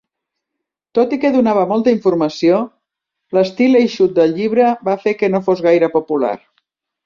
Tot i que donava molta informació, l'estil eixut del llibre va fer que no fos gaire popular.